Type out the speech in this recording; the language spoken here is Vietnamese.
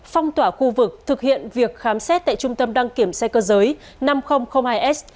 phong tỏa khu vực thực hiện việc khám xét tại trung tâm đăng kiểm xe cơ giới năm nghìn hai s